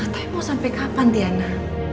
tapi mau sampai kapan diana